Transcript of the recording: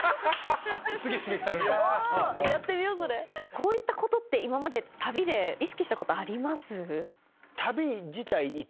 こういったことって今まで旅で意識したことあります？